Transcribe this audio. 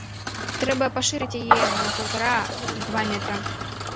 Трэба пашырыць яе на паўтара і два метра.